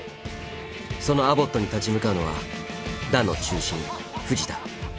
そのアボットに立ち向かうのは打の中心藤田。